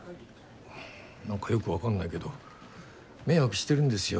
何かよく分かんないけど迷惑してるんですよ。